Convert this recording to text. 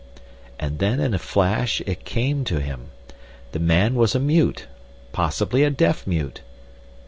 And then in a flash it came to him—the man was a mute, possibly a deaf mute.